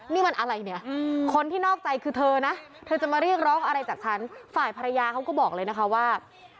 นี่มันอะไรเนี่ยคนที่นอกใจคือเธอนะเธอจะมาเรียกร้องอะไรจากฉันฝ่ายภรรยาเขาก็บอกเลยนะคะว่า